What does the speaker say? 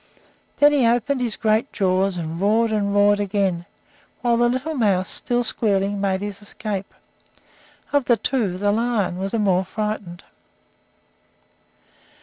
Then he opened his great jaws and roared and roared again, while the little mouse, still squealing, made his escape. Of the two, the lion was the more frightened.